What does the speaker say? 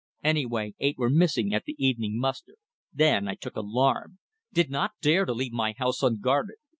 Anyway, eight were missing at the evening muster. Then I took alarm. Did not dare to leave my house unguarded.